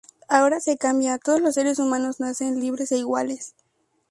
Ahora se cambia, "Todos los seres humanos nacen libres e iguales"".